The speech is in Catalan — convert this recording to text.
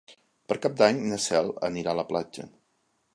Per Cap d'Any na Cel anirà a la platja.